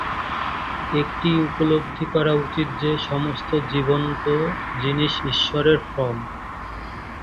একটি উপলব্ধি করা উচিত যে সমস্ত জীবন্ত জিনিস ঈশ্বরের ফর্ম।